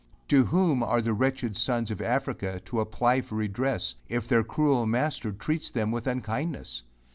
To whom are the wretched sons of Africa to apply for redress, if their cruel master treats them with unkindness?